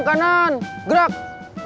kalau u bisa